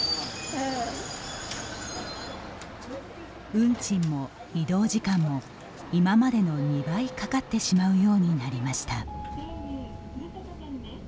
運賃も移動時間も今までの２倍かかってしまうようになりました。